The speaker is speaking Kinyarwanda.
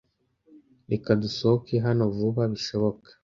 Reka dusohoke hano vuba bishoboka.